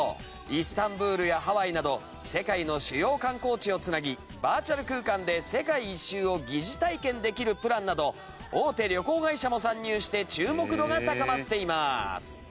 イスタンブールやハワイなど世界の主要観光地を繋ぎバーチャル空間で世界一周を疑似体験できるプランなど大手旅行会社も参入して注目度が高まっています。